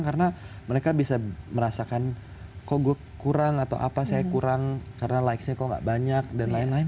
karena mereka bisa merasakan kok gue kurang atau apa saya kurang karena likesnya kok nggak banyak dan lain lain